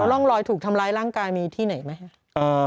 แล้วร่องรอยถูกทำลายร่างกายมีที่ไหนไหมฮะ